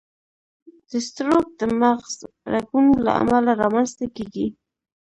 د سټروک د مغز رګونو له امله رامنځته کېږي.